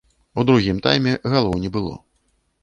У другім тайме галоў не было.